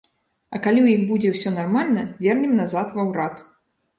А калі ў іх будзе ўсё нармальна, вернем назад ва ўрад.